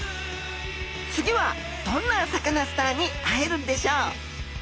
次はどんなサカナスターに会えるんでしょう？